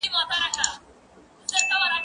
زه اوس ځواب ليکم،